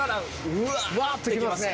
うわってきますね